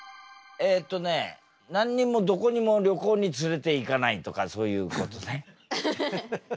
えっとね何にもどこにも旅行に連れて行かないとかそういうことね。